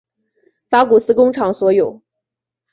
法古斯工厂所有。